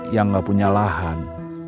yang gak punya lahan